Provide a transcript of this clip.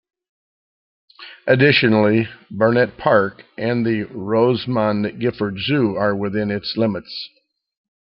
Additionally, Burnet Park and the Rosamond Gifford Zoo are within its limits.